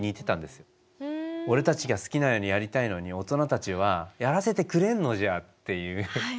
「俺たちが好きなようにやりたいのに大人たちはやらせてくれんのじゃ」っていう。